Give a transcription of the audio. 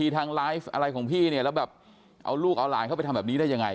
ทางไลฟ์อะไรของพี่เนี่ยแล้วแบบเอาลูกเอาหลานเข้าไปทำแบบนี้ได้ยังไง